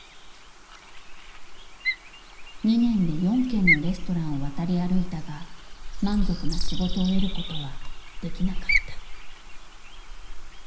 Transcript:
２年で４軒のレストランを渡り歩いたが満足な仕事を得ることはできなかった。